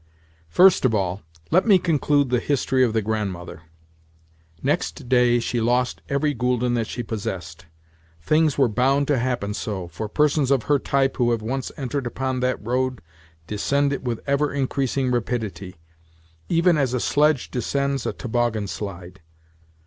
First of all, let me conclude the history of the Grandmother. Next day she lost every gülden that she possessed. Things were bound to happen so, for persons of her type who have once entered upon that road descend it with ever increasing rapidity, even as a sledge descends a toboggan slide.